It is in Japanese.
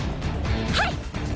はい！